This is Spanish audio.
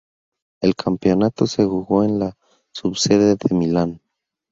El campeonato se jugó en la subsede de Milán.